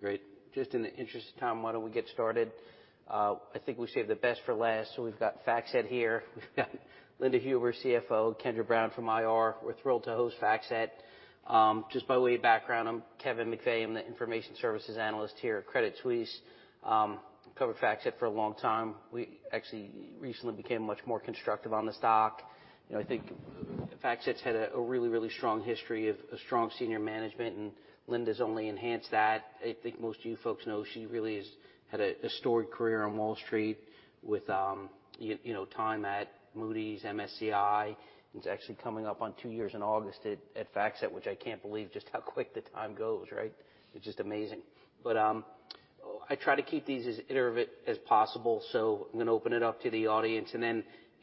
Great. Just in the interest of time, why don't we get started? I think we saved the best for last. We've got FactSet here. We've got Linda Huber, CFO, Kendra Brown from IR. We're thrilled to host FactSet. Just by way of background, I'm Kevin McVeigh. I'm the Information Services Analyst here at Credit Suisse. Covered FactSet for a long time. We actually recently became much more constructive on the stock. You know, I think FactSet's had a really strong history of strong senior management, and Linda's only enhanced that. I think most of you folks know she really has had a storied career on Wall Street with, you know, time at Moody's, MSCI. It's actually coming up on two years in August at FactSet, which I can't believe just how quick the time goes, right? It's just amazing. I try to keep these as iterative as possible, so I'm gonna open it up to the audience.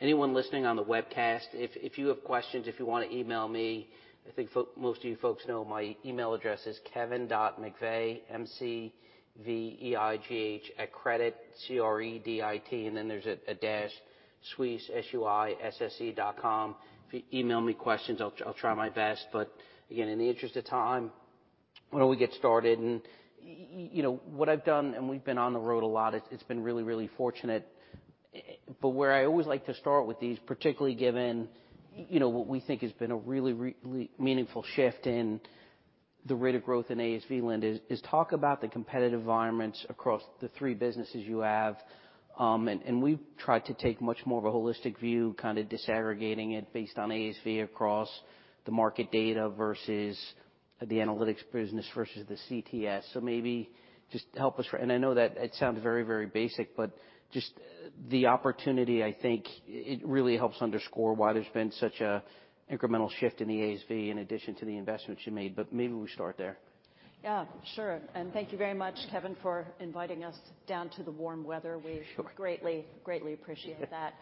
Anyone listening on the webcast, if you have questions, if you wanna email me, I think most of you folks know my email address is Kevin dot McVeigh, M-C-V-E-I-G-H, at Credit, C-R-E-D-I-T, and then there's a dash Suisse, S-U-I-S-S-E.com. If you email me questions, I'll try my best. Again, in the interest of time, why don't we get started? You know what I've done, and we've been on the road a lot, it's been really, really fortunate. Where I always like to start with these, particularly given, you know, what we think has been a really meaningful shift in the rate of growth in ASV, Linda, is talk about the competitive environments across the three businesses you have. We've tried to take much more of a holistic view, kind of disaggregating it based on ASV across the market data versus the analytics business versus the CTS. Maybe just help us. I know that it sounds very, very basic, just the opportunity, I think it really helps underscore why there's been such a incremental shift in the ASV in addition to the investments you made, maybe we start there. Yeah, sure. Thank you very much, Kevin, for inviting us down to the warm weather. Sure. We greatly appreciate that.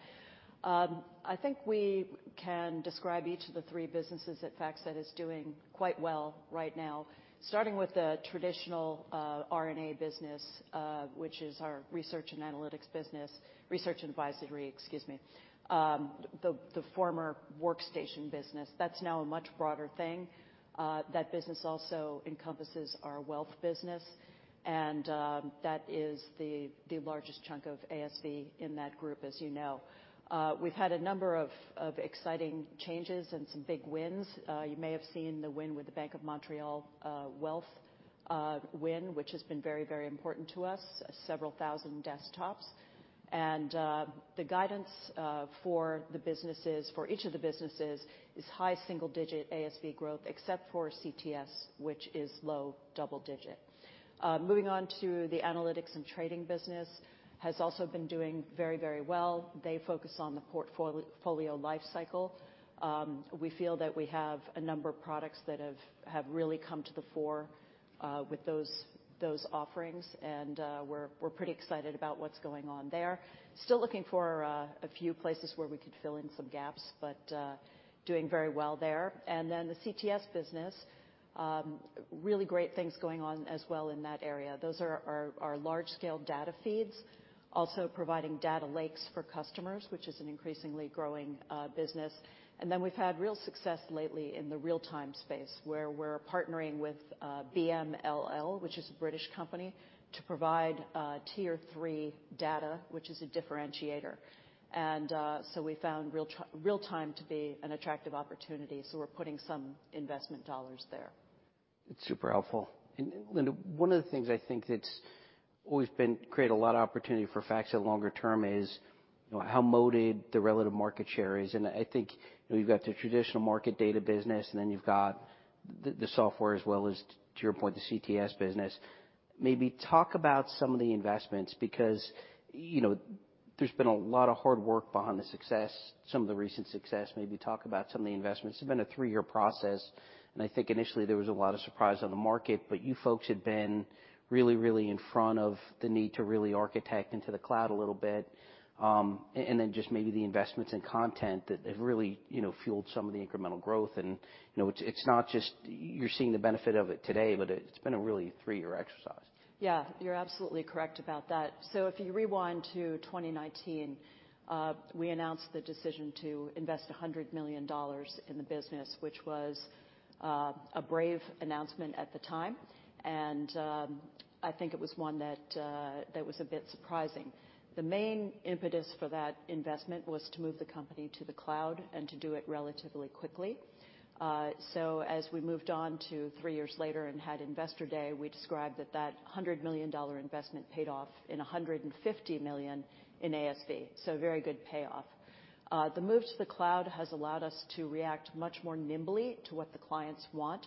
I think we can describe each of the three businesses at FactSet as doing quite well right now. Starting with the traditional R&A business, which is our research and analytics business, research and advisory, excuse me. The former workstation business. That's now a much broader thing. That business also encompasses our wealth business, and that is the largest chunk of ASV in that group, as you know. We've had a number of exciting changes and some big wins. You may have seen the win with the Bank of Montreal, wealth win, which has been very important to us. Several thousand desktops. The guidance for the businesses, for each of the businesses is high single digit ASV growth, except for CTS, which is low double digit. Moving on to the analytics and trading business has also been doing very well. They focus on the portfolio life cycle. We feel that we have a number of products that have really come to the fore with those offerings, and we're pretty excited about what's going on there. Still looking for a few places where we could fill in some gaps, but doing very well there. The CTS business, really great things going on as well in that area. Those are our large scale data feeds, also providing data lakes for customers, which is an increasingly growing business. We've had real success lately in the real-time space, where we're partnering with BMLL, which is a British company, to provide Tier data, which is a differentiator. We found real-time to be an attractive opportunity, so we're putting some investment dollars there. It's super helpful. Linda, one of the things I think that's always been, created a lot of opportunity for FactSet longer term is, you know, how moded the relative market share is. I think you've got the traditional market data business, and then you've got the software as well as, to your point, the CTS business. Maybe talk about some of the investments because, you know, there's been a lot of hard work behind the success, some of the recent success. Maybe talk about some of the investments. It's been a three-year process, and I think initially there was a lot of surprise on the market, but you folks had been really, really in front of the need to really architect into the cloud a little bit. Then just maybe the investments in content that have really, you know, fueled some of the incremental growth. You know, it's not just you're seeing the benefit of it today, but it's been a really three-year exercise. Yeah, you're absolutely correct about that. If you rewind to 2019, we announced the decision to invest $100 million in the business, which was a brave announcement at the time. I think it was one that that was a bit surprising. The main impetus for that investment was to move the company to the cloud and to do it relatively quickly. As we moved on to three years later and had Investor Day, we described that that $100 million investment paid off in $150 million in ASV. Very good payoff. The move to the cloud has allowed us to react much more nimbly to what the clients want.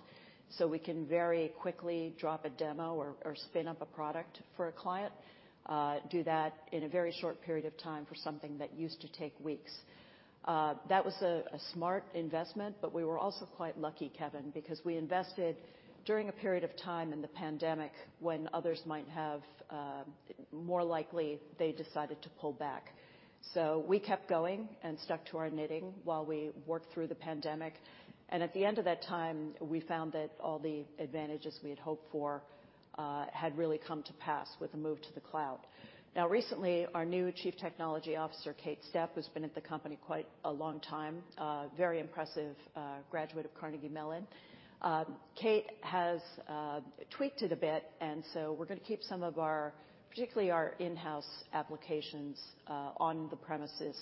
We can very quickly drop a demo or spin up a product for a client. Do that in a very short period of time for something that used to take weeks. That was a smart investment, but we were also quite lucky, Kevin, because we invested during a period of time in the pandemic when others might have, more likely, they decided to pull back. We kept going and stuck to our knitting while we worked through the pandemic. At the end of that time, we found that all the advantages we had hoped for, had really come to pass with the move to the cloud. Recently, our new Chief Technology Officer, Kate Stepp, who's been at the company quite a long time, very impressive, a graduate of Carnegie Mellon. Kate has tweaked it a bit, and so we're gonna keep particularly our in-house applications on the premises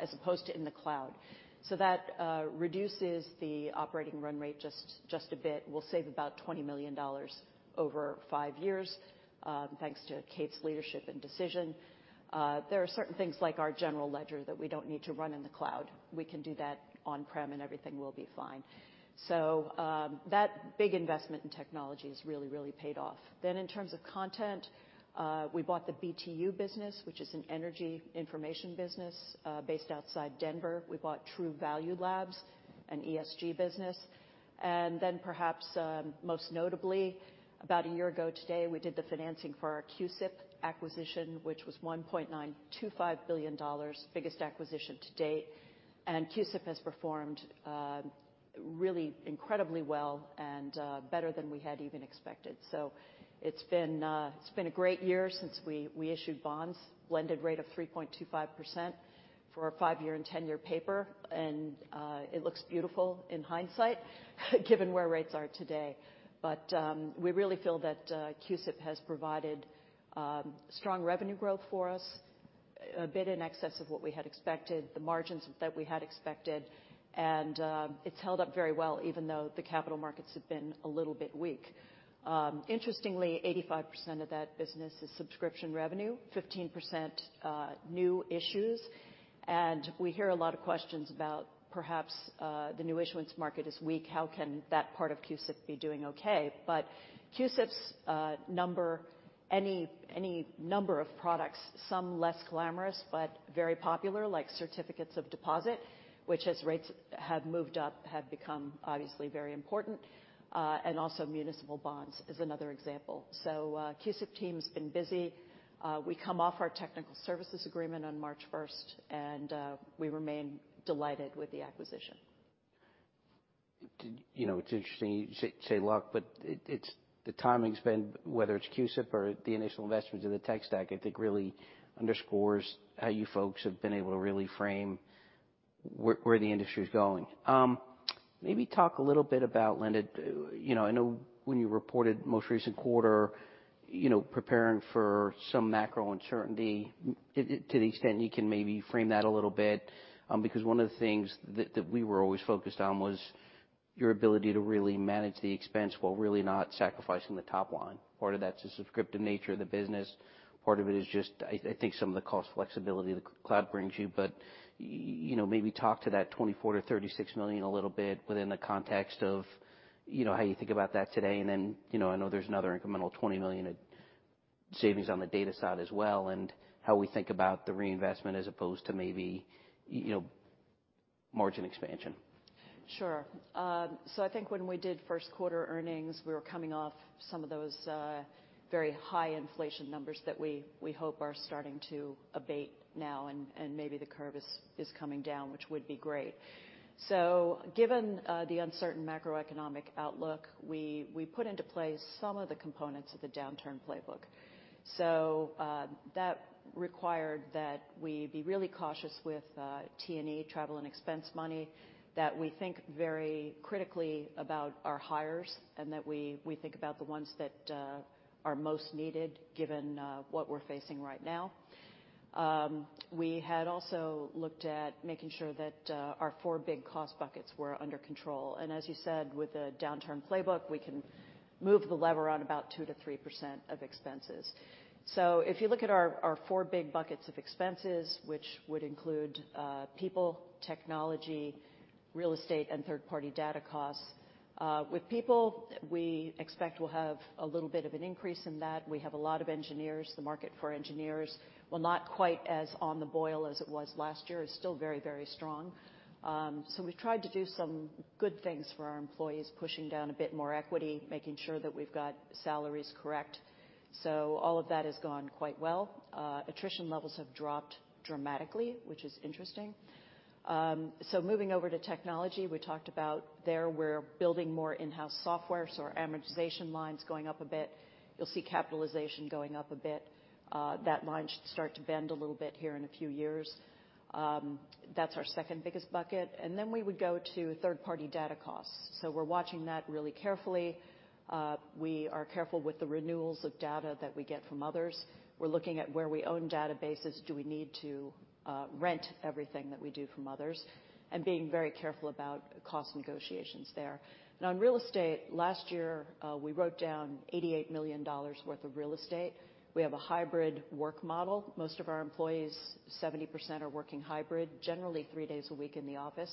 as opposed to in the cloud. That reduces the operating run rate just a bit. We'll save about $20 million over five years, thanks to Kate's leadership and decision. There are certain things like our general ledger that we don't need to run in the cloud. We can do that on-prem, and everything will be fine. That big investment in technology has really paid off. In terms of content, we bought the BTU business, which is an energy information business based outside Denver. We bought Truvalue Labs, an ESG business. Perhaps, most notably, about a year ago today, we did the financing for our CUSIP acquisition, which was $1.925 billion, biggest acquisition to date. CUSIP has performed really incredibly well and better than we had even expected. It's been a great year since we issued bonds, blended rate of 3.25% for a five-year and ten-year paper. It looks beautiful in hindsight, given where rates are today. We really feel that CUSIP has provided strong revenue growth for us, a bit in excess of what we had expected, the margins that we had expected, and it's held up very well even though the capital markets have been a little bit weak. Interestingly, 85% of that business is subscription revenue, 15%, new issues. We hear a lot of questions about perhaps, the new issuance market is weak, how can that part of CUSIP be doing okay? CUSIPs' any number of products, some less glamorous but very popular, like certificates of deposit, which as rates have moved up, have become obviously very important, and also municipal bonds is another example. CUSIP team's been busy. We come off our technical services agreement on March 1st, and we remain delighted with the acquisition. You know, it's interesting you say luck, but it's the timing's been, whether it's CUSIP or the initial investments in the tech stack, I think really underscores how you folks have been able to really frame where the industry is going. Maybe talk a little bit about, Linda, you know, I know when you reported most recent quarter, you know, preparing for some macro uncertainty, to the extent you can maybe frame that a little bit. One of the things that we were always focused on was your ability to really manage the expense while really not sacrificing the top line. Part of that's the subscriptive nature of the business, part of it is just, I think, some of the cost flexibility the cloud brings you. You know, maybe talk to that $24 million-36 million a little bit within the context of, you know, how you think about that today. You know, I know there's another incremental $20 million savings on the data side as well, and how we think about the reinvestment as opposed to maybe, you know, margin expansion. Sure. I think when we did first quarter earnings, we were coming off some of those very high inflation numbers that we hope are starting to abate now, and maybe the curve is coming down, which would be great. Given the uncertain macroeconomic outlook, we put into place some of the components of the downturn playbook. That required that we be really cautious with T&E, travel and expense money, that we think very critically about our hires, and that we think about the ones that are most needed given what we're facing right now. We had also looked at making sure that our four big cost buckets were under control. As you said, with the downturn playbook, we can move the lever on about 2%-3% of expenses. If you look at our four big buckets of expenses, which would include people, technology, real estate, and third-party data costs. With people, we expect we'll have a little bit of an increase in that. We have a lot of engineers. The market for engineers, while not quite as on the boil as it was last year, is still very, very strong. We've tried to do some good things for our employees, pushing down a bit more equity, making sure that we've got salaries correct. All of that has gone quite well. Attrition levels have dropped dramatically, which is interesting. Moving over to technology, we talked about there we're building more in-house software, so our amortization line's going up a bit. You'll see capitalization going up a bit. That line should start to bend a little bit here in a few years. That's our second-biggest bucket. We would go to third-party data costs. We're watching that really carefully. We are careful with the renewals of data that we get from others. We're looking at where we own databases, do we need to rent everything that we do from others? And being very careful about cost negotiations there. On real estate, last year, we wrote down $88 million worth of real estate. We have a hybrid work model. Most of our employees, 70%, are working hybrid, generally three days a week in the office.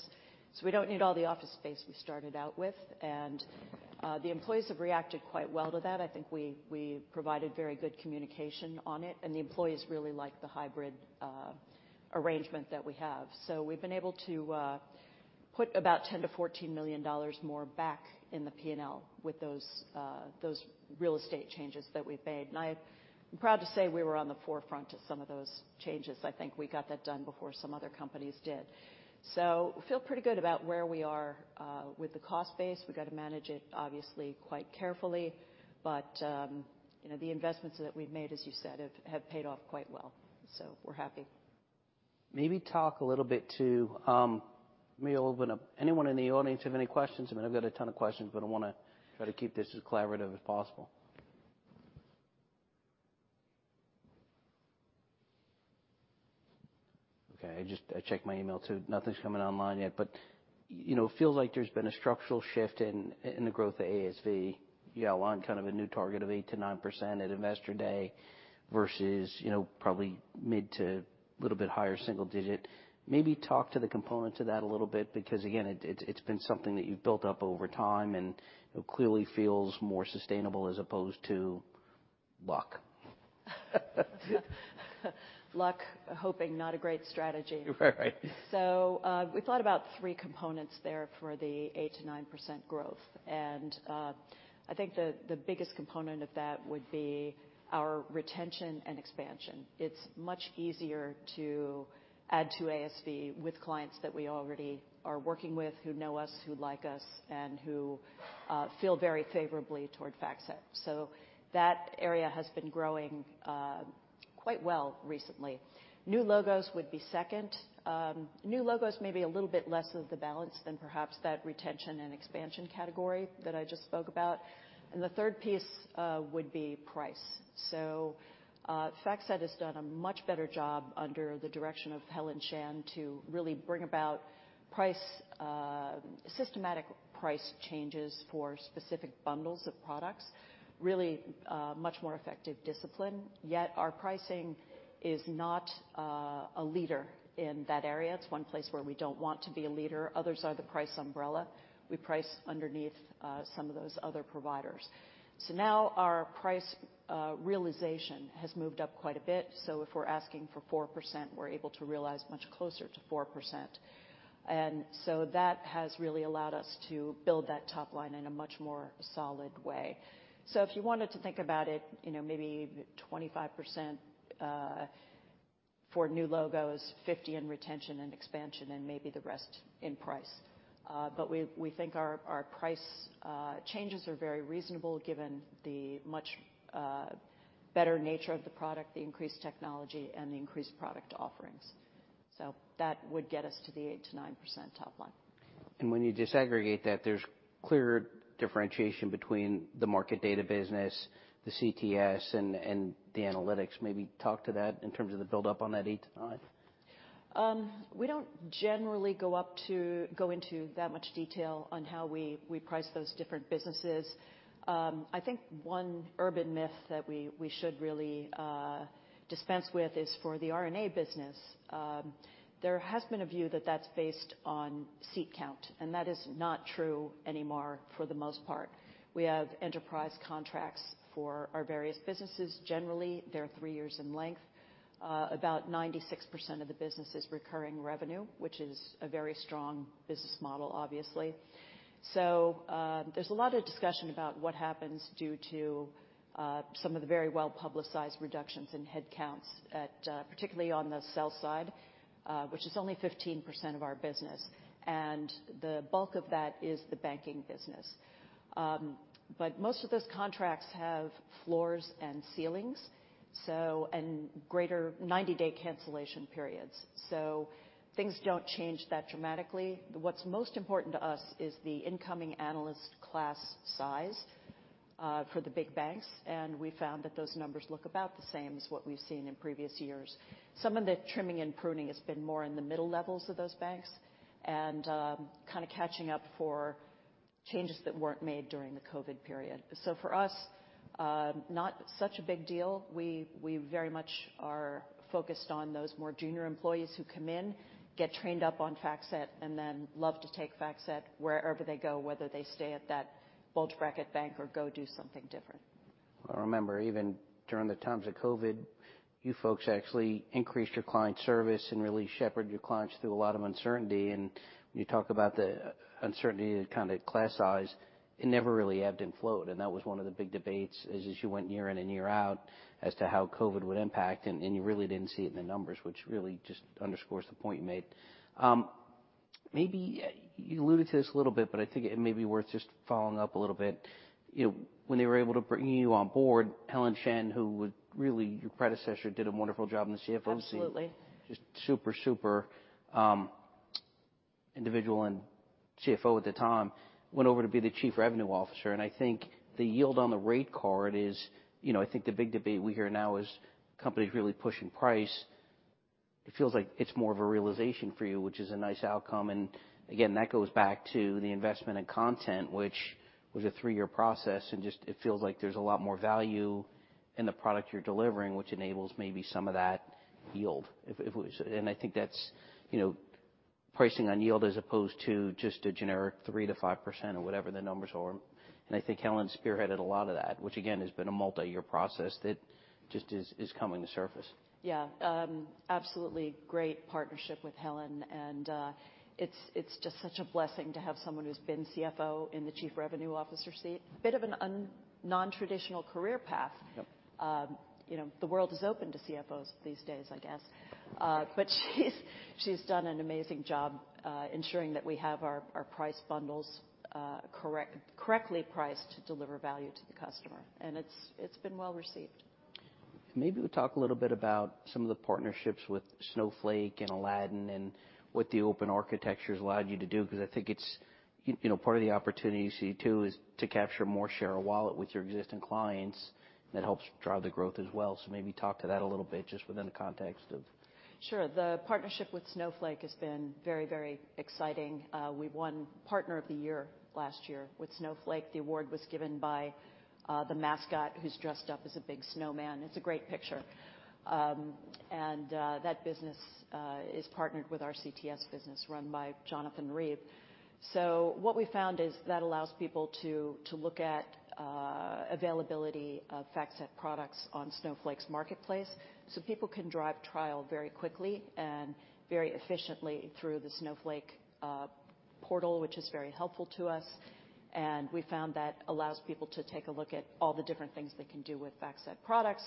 We don't need all the office space we started out with. The employees have reacted quite well to that. I think we provided very good communication on it. The employees really like the hybrid arrangement that we have. We've been able to put about $10 million-14 million more back in the P&L with those real estate changes that we've made. I am proud to say we were on the forefront of some of those changes. I think we got that done before some other companies did. Feel pretty good about where we are with the cost base. We've got to manage it, obviously, quite carefully. You know, the investments that we've made, as you said, have paid off quite well. We're happy. Maybe talk a little bit to. Anyone in the audience have any questions? I mean, I've got a ton of questions, but I wanna try to keep this as collaborative as possible. Okay, I checked my email too. Nothing's coming online yet, but, you know, feels like there's been a structural shift in the growth of ASV. You all on kind of a new target of 8%-9% at Investor Day versus, you know, probably mid to little bit higher single digit. Maybe talk to the components of that a little bit because, again, it's been something that you've built up over time and, you know, clearly feels more sustainable as opposed to luck. Luck, hoping, not a great strategy. Right. We thought about three components there for the 8%-9% growth. I think the biggest component of that would be our retention and expansion. It's much easier to add to ASV with clients that we already are working with, who know us, who like us, and who feel very favorably toward FactSet. That area has been growing quite well recently. New logos would be second. New logos may be a little bit less of the balance than perhaps that retention and expansion category that I just spoke about. The third piece would be price. FactSet has done a much better job under the direction of Helen Shan to really bring about price, systematic price changes for specific bundles of products, really much more effective discipline. Yet our pricing is not a leader in that area. It's one place where we don't want to be a leader. Others are the price umbrella. We price underneath some of those other providers. Now our price realization has moved up quite a bit. If we're asking for 4%, we're able to realize much closer to 4%. That has really allowed us to build that top line in a much more solid way. If you wanted to think about it, you know, maybe 25% for new logos, 50 in retention and expansion, and maybe the rest in price. We think our price changes are very reasonable given the much better nature of the product, the increased technology, and the increased product offerings. That would get us to the 8%-9% top line. When you disaggregate that, there's clear differentiation between the market data business, the CTS and the analytics. Maybe talk to that in terms of the build-up on that 8%-9%. We don't generally go into that much detail on how we price those different businesses. I think one urban myth that we should really dispense with is for the R&A business. There has been a view that that's based on seat count, and that is not true anymore for the most part. We have enterprise contracts for our various businesses. Generally, they're 3 years in length. About 96% of the business is recurring revenue, which is a very strong business model, obviously. There's a lot of discussion about what happens due to some of the very well-publicized reductions in headcounts at particularly on the sales side, which is only 15% of our business. The bulk of that is the banking business. Most of those contracts have floors and ceilings, so and greater 90-day cancellation periods. Things don't change that dramatically. What's most important to us is the incoming analyst class size for the big banks, and we found that those numbers look about the same as what we've seen in previous years. Some of the trimming and pruning has been more in the middle levels of those banks and kinda catching up for changes that weren't made during the COVID period. For us, not such a big deal. We very much are focused on those more junior employees who come in, get trained up on FactSet, and then love to take FactSet wherever they go, whether they stay at that bulge bracket bank or go do something different. I remember even during the times of Covid, you folks actually increased your client service and really shepherded your clients through a lot of uncertainty. When you talk about the uncertainty, the kind of class size, it never really ebbed and flowed. That was one of the big debates is as you went year in and year out as to how Covid would impact and you really didn't see it in the numbers, which really just underscores the point you made. Maybe you alluded to this a little bit, but I think it may be worth just following up a little bit. You know, when they were able to bring you on board, Helen Shan, really, your predecessor, did a wonderful job in the CFO seat. Absolutely. Just super individual and CFO at the time, went over to be the Chief Revenue Officer. I think the yield on the rate card is... You know, I think the big debate we hear now is companies really pushing price. It feels like it's more of a realization for you, which is a nice outcome. Again, that goes back to the investment in content, which was a three-year process, and just, it feels like there's a lot more value in the product you're delivering, which enables maybe some of that yield if it was. I think that's, you know, pricing on yield as opposed to just a generic 3%-5% or whatever the numbers are. I think Helen spearheaded a lot of that, which again, has been a multi-year process that just is coming to surface. Yeah. absolutely great partnership with Helen and it's just such a blessing to have someone who's been CFO in the Chief Revenue Officer seat. Bit of a nontraditional career path. Yep. You know, the world is open to CFOs these days, I guess. She's done an amazing job, ensuring that we have our price bundles, correctly priced to deliver value to the customer. It's been well-received. Maybe we talk a little bit about some of the partnerships with Snowflake and Aladdin and what the open architecture's allowed you to do, because I think it's, you know, part of the opportunity you see too is to capture more share of wallet with your existing clients that helps drive the growth as well. Maybe talk to that a little bit just within the context of... Sure. The partnership with Snowflake has been very, very exciting. We won Partner of the Year last year with Snowflake. The award was given by the mascot who's dressed up as a big snowman. It's a great picture. That business is partnered with our CTS business run byJonathan Reeve. What we found is that allows people to look at availability of FactSet products on Snowflake's marketplace, so people can drive trial very quickly and very efficiently through the Snowflake portal, which is very helpful to us. We found that allows people to take a look at all the different things they can do with FactSet products.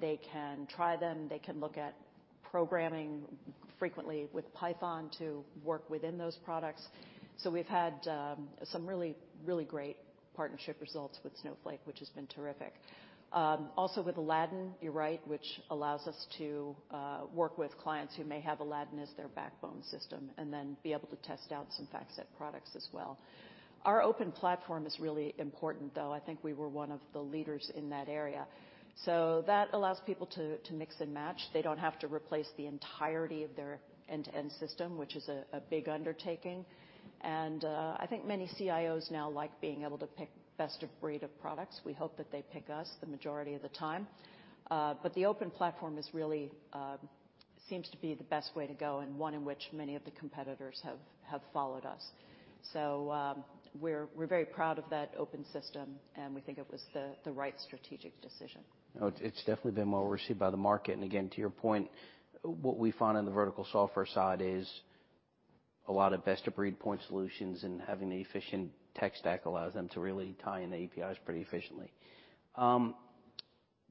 They can try them. They can look at programming frequently with Python to work within those products. We've had some really great partnership results with Snowflake, which has been terrific. Also with Aladdin, you're right, which allows us to work with clients who may have Aladdin as their backbone system and then be able to test out some FactSet products as well. Our open platform is really important, though. I think we were one of the leaders in that area. That allows people to mix and match. They don't have to replace the entirety of their end-to-end system, which is a big undertaking. I think many CIOs now like being able to pick best-of-breed of products. We hope that they pick us the majority of the time. The open platform is really seems to be the best way to go and one in which many of the competitors have followed us. We're very proud of that open system, and we think it was the right strategic decision. No, it's definitely been well-received by the market. Again, to your point, what we find on the vertical software side is a lot of best-of-breed point solutions and having the efficient tech stack allows them to really tie in the APIs pretty efficiently.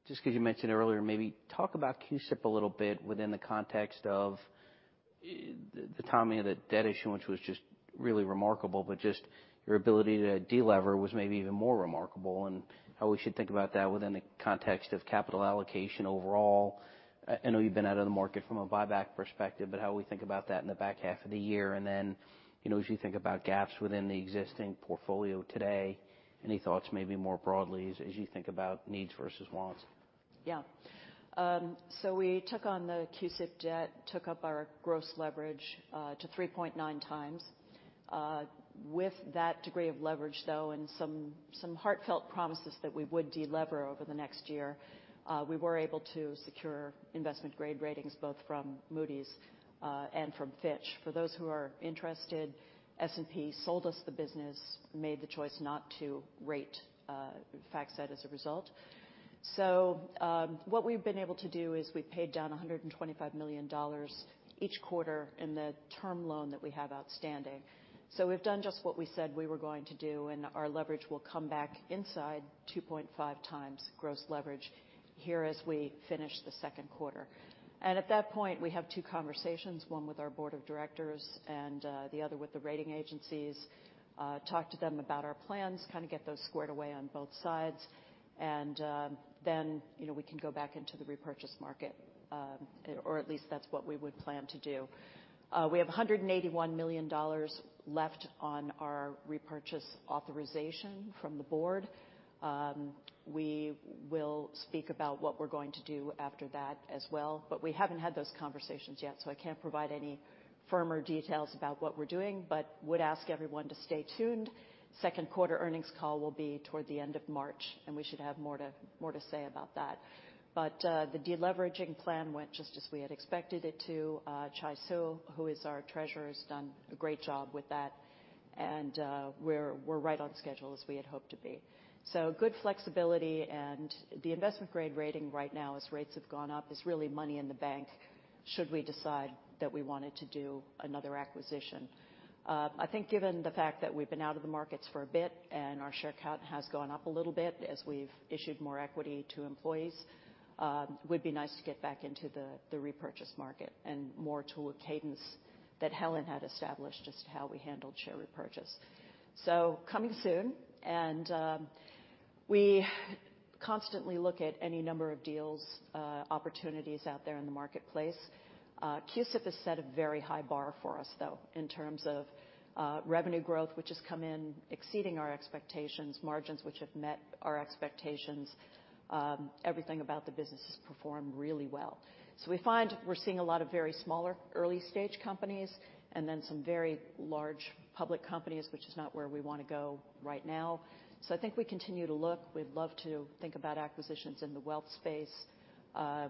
Just because you mentioned earlier, maybe talk about CUSIP a little bit within the context of the timing of the debt issue, which was just really remarkable, but just your ability to de-lever was maybe even more remarkable and how we should think about that within the context of capital allocation overall. I know you've been out of the market from a buyback perspective, but how we think about that in the back half of the year. You know, as you think about gaps within the existing portfolio today, any thoughts maybe more broadly as you think about needs versus wants? We took on the CUSIP debt, took up our gross leverage to 3.9x. With that degree of leverage, though, and some heartfelt promises that we would de-lever over the next year, we were able to secure investment-grade ratings, both from Moody's and from Fitch. For those who are interested, S&P sold us the business, made the choice not to rate FactSet as a result. What we've been able to do is we paid down $125 million each quarter in the term loan that we have outstanding. We've done just what we said we were going to do, and our leverage will come back inside 2.5x gross leverage here as we finish the second quarter. At that point, we have two conversations, one with our board of directors and the other with the rating agencies, talk to them about our plans, kind of get those squared away on both sides. Then, you know, we can go back into the repurchase market, or at least that's what we would plan to do. We have $181 million left on our repurchase authorization from the board. We will speak about what we're going to do after that as well, but we haven't had those conversations yet, so I can't provide any firmer details about what we're doing, but would ask everyone to stay tuned. Second quarter earnings call will be toward the end of March, and we should have more to say about that. The de-leveraging plan went just as we had expected it to. Chai Suh, who is our treasurer, has done a great job with that. We're right on schedule as we had hoped to be. Good flexibility. The investment grade rating right now as rates have gone up is really money in the bank should we decide that we wanted to do another acquisition. I think given the fact that we've been out of the markets for a bit and our share count has gone up a little bit as we've issued more equity to employees, would be nice to get back into the repurchase market and more to a cadence that Helen had established just how we handled share repurchase. Coming soon. We constantly look at any number of deals, opportunities out there in the marketplace. CUSIP has set a very high bar for us, though, in terms of revenue growth, which has come in exceeding our expectations, margins which have met our expectations. Everything about the business has performed really well. We find we're seeing a lot of very smaller early-stage companies and then some very large public companies, which is not where we wanna go right now. I think we continue to look. We'd love to think about acquisitions in the wealth space.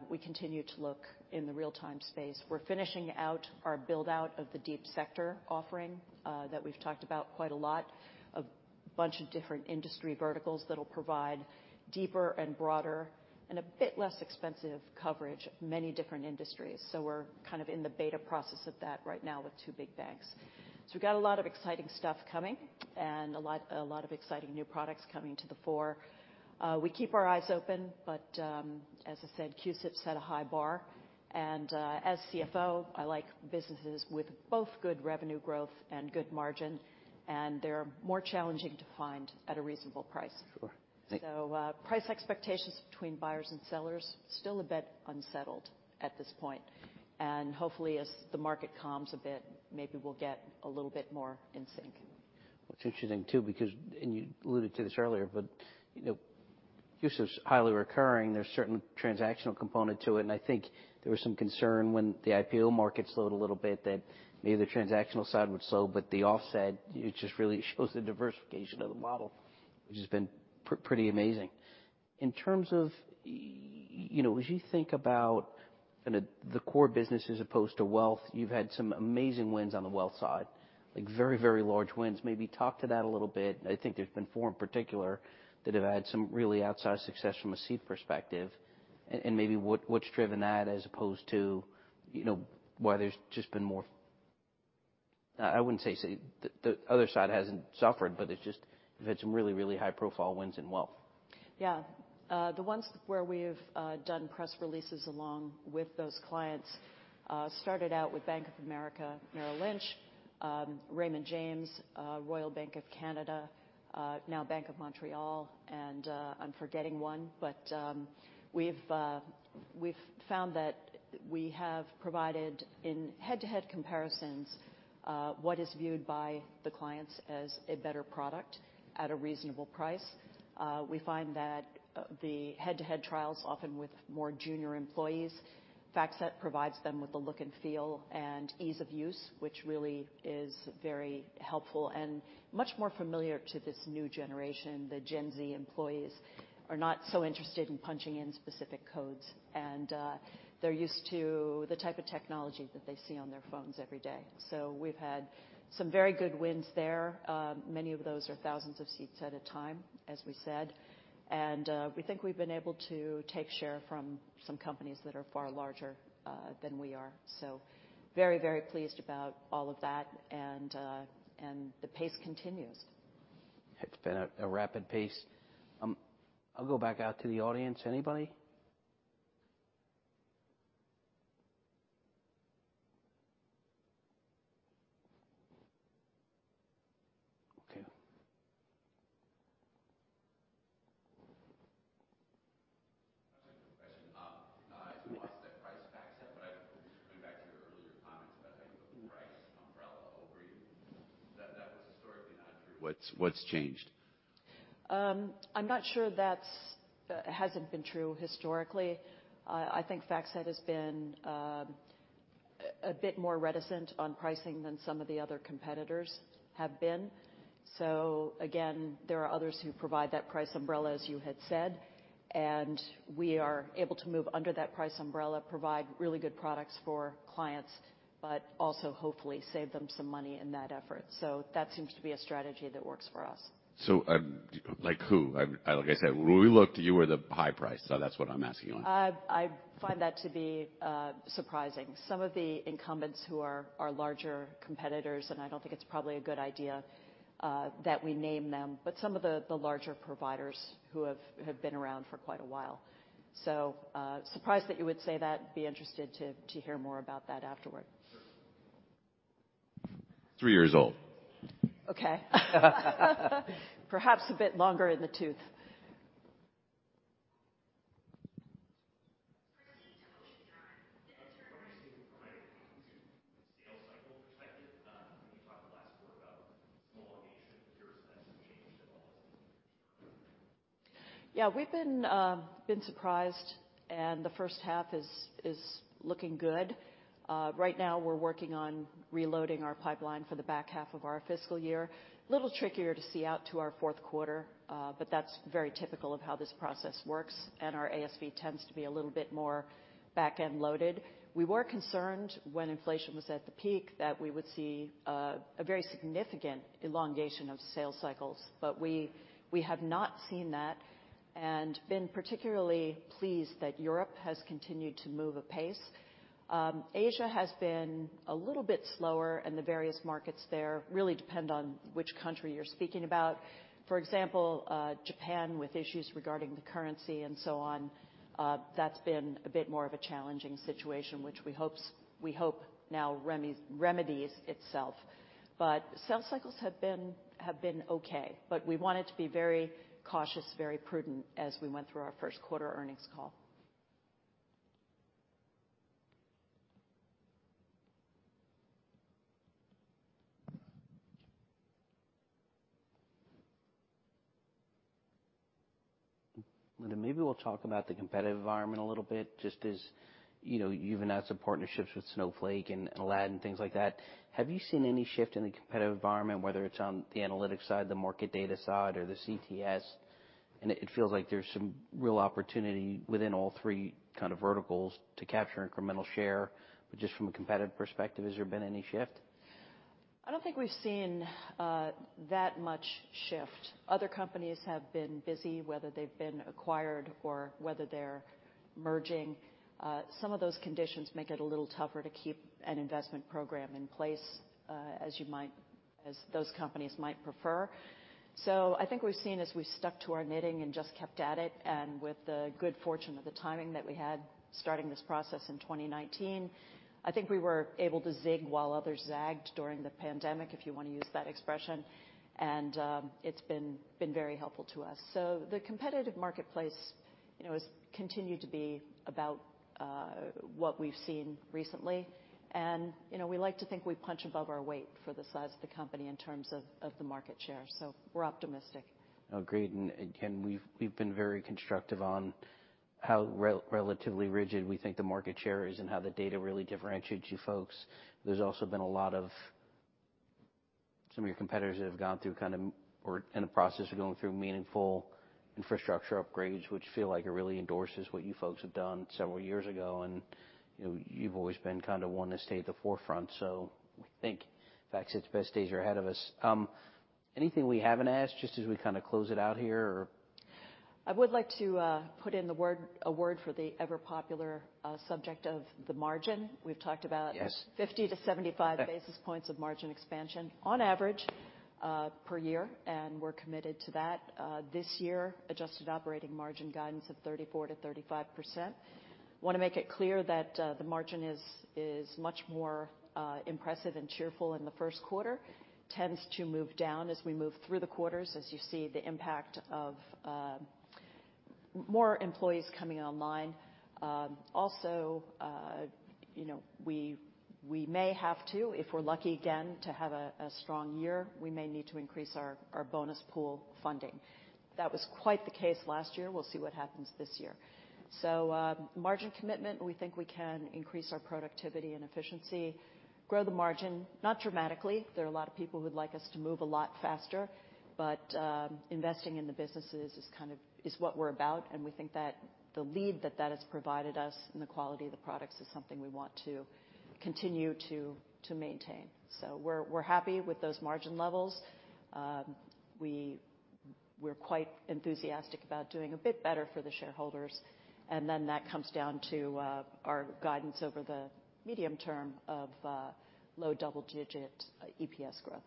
We continue to look in the real-time space. We're finishing out our build-out of the deep sector offering, that we've talked about quite a lot of different industry verticals that'll provide deeper and broader and a bit less expensive coverage, many different industries. We're kind of in the beta process of that right now with two big banks. We've got a lot of exciting stuff coming and a lot of exciting new products coming to the fore. We keep our eyes open, but as I said, CUSIP set a high bar. As CFO, I like businesses with both good revenue growth and good margin, and they're more challenging to find at a reasonable price. Sure. Thank- Price expectations between buyers and sellers, still a bit unsettled at this point. Hopefully as the market calms a bit, maybe we'll get a little bit more in sync. Well, it's interesting too, because, and you alluded to this earlier, but, you know, CUSIP's highly recurring. There's certain transactional component to it, and I think there was some concern when the IPO market slowed a little bit that maybe the transactional side would slow, but the offset, it just really shows the diversification of the model, which has been pretty amazing. In terms of, you know, as you think about kinda the core business as opposed to wealth, you've had some amazing wins on the wealth side, like very, very large wins. Maybe talk to that a little bit. I think there's been four in particular that have had some really outsized success from a seat perspective, and maybe what's driven that as opposed to, you know, why there's just been more... I wouldn't say The other side hasn't suffered, but it's just you've had some really, really high profile wins in wealth. Yeah. The ones where we've done press releases along with those clients, started out with Bank of America, Merrill Lynch, Raymond James, Royal Bank of Canada, now Bank of Montreal, I'm forgetting one. We've found that we have provided, in head-to-head comparisons, what is viewed by the clients as a better product at a reasonable price. We find that the head-to-head trials, often with more junior employees, FactSet provides them with the look and feel and ease of use, which really is very helpful and much more familiar to this new generation. The Gen Z employees are not so interested in punching in specific codes, they're used to the type of technology that they see on their phones every day. We've had some very good wins there. Many of those are thousands of seats at a time, as we said. We think we've been able to take share from some companies that are far larger than we are. Very, very pleased about all of that and the pace continues. It's been a rapid pace. I'll go back out to the audience. Anybody? Okay. I just have a quick question. You talked about price FactSet, but just going back to your earlier comments about how you put the price umbrella over you. That was historically not true. What's changed? I'm not sure that's hasn't been true historically. I think FactSet has been a bit more reticent on pricing than some of the other competitors have been. Again, there are others who provide that price umbrella, as you had said, and we are able to move under that price umbrella, provide really good products for clients, but also hopefully save them some money in that effort. That seems to be a strategy that works for us. Like who? Like I said, when we looked, you were the high price, so that's what I'm asking you on. I find that to be surprising. Some of the incumbents who are our larger competitors, I don't think it's probably a good idea that we name them, but some of the larger providers who have been around for quite a while. Surprised that you would say that. Be interested to hear more about that afterward. Sure. Three years old. Okay. Perhaps a bit longer in the tooth. Proceed to motion to adjourn. I'm curious from a sales cycle perspective, when you talked the last quarter about elongation, have your senses changed at all this quarter? We've been surprised, the first half is looking good. Right now we're working on reloading our pipeline for the back half of our fiscal year. A little trickier to see out to our fourth quarter, but that's very typical of how this process works, and our ASV tends to be a little bit more back-end loaded. We were concerned when inflation was at the peak, that we would see a very significant elongation of sales cycles, but we have not seen that and been particularly pleased that Europe has continued to move apace. Asia has been a little bit slower, and the various markets there really depend on which country you're speaking about. For example, Japan with issues regarding the currency and so on, that's been a bit more of a challenging situation, which we hope now remedies itself. Sales cycles have been okay, but we wanted to be very cautious, very prudent as we went through our first quarter earnings call. Linda, maybe we'll talk about the competitive environment a little bit just as, you know, you even had some partnerships with Snowflake and Aladdin, things like that. Have you seen any shift in the competitive environment, whether it's on the analytics side, the market data side, or the CTS? It, it feels like there's some real opportunity within all three kind of verticals to capture incremental share. Just from a competitive perspective, has there been any shift? I don't think we've seen that much shift. Other companies have been busy, whether they've been acquired or whether they're merging. Some of those conditions make it a little tougher to keep an investment program in place as those companies might prefer. I think we've seen as we've stuck to our knitting and just kept at it, and with the good fortune of the timing that we had starting this process in 2019, I think we were able to zig while others zagged during the pandemic, if you wanna use that expression. It's been very helpful to us. The competitive marketplace, you know, has continued to be about what we've seen recently. We like to think we punch above our weight for the size of the company in terms of the market share, so we're optimistic. I agree. Again, we've been very constructive on how relatively rigid we think the market share is and how the data really differentiates you folks. There's also been a lot of... Some of your competitors have gone through kind of or in the process of going through meaningful infrastructure upgrades, which feel like it really endorses what you folks have done several years ago. You know, you've always been kind of one to stay at the forefront. We think, in fact, its best days are ahead of us. Anything we haven't asked, just as we kind of close it out here or? I would like to, put in a word for the ever popular, subject of the margin. Yes. We've talked about 50-75 basis points of margin expansion on average, per year. We're committed to that. This year, Adjusted Operating Margin guidance of 34%-35%. Wanna make it clear that the margin is much more impressive and cheerful in the first quarter. Tends to move down as we move through the quarters, as you see the impact of more employees coming online. Also, you know, we may have to, if we're lucky again to have a strong year, we may need to increase our bonus pool funding. That was quite the case last year. We'll see what happens this year. Margin commitment, we think we can increase our productivity and efficiency, grow the margin, not dramatically. There are a lot of people who would like us to move a lot faster, but, investing in the businesses is kind of, is what we're about. We think that the lead that that has provided us and the quality of the products is something we want to continue to maintain. We're happy with those margin levels. We're quite enthusiastic about doing a bit better for the shareholders. That comes down to our guidance over the medium term of low double-digit EPS growth.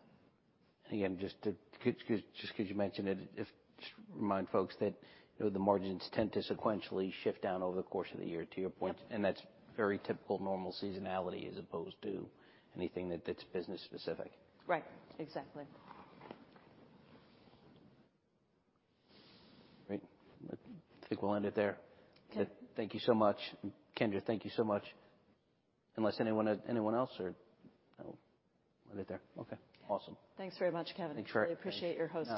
Again, Just remind folks that, you know, the margins tend to sequentially shift down over the course of the year, to your point. Yeah. That's very typical normal seasonality as opposed to anything that's business specific. Right. Exactly. Great. I think we'll end it there. Okay. Thank you so much. Kendra, thank you so much. Unless anyone else or? No. We'll end it there. Okay, awesome. Thanks very much, Kevin. Thanks. I appreciate your hosting.